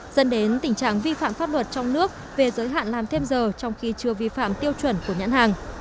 dân đến tình trạng vi phạm pháp luật trong nước về giới hạn làm thêm giờ trong khi chưa vi phạm tiêu chuẩn của nhãn hàng